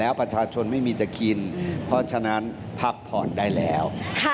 แล้วประชาชนไม่มีจะกินเพราะฉะนั้นพักผ่อนได้แล้ว